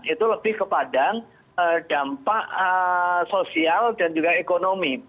itu lebih kepada dampak sosial dan juga ekonomi